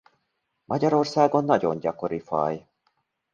Magyarországon nagyon gyakori faj.